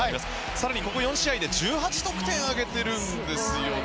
更にここ４試合で１８得点を挙げているんですよね。